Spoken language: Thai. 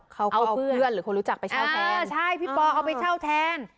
เขาเอาเพื่อนหรือคนรู้จักไปเช่าแทนใช่พี่ปอเอาไปเช่าแทน